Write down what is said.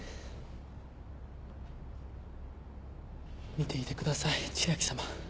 見ていてください千秋さま。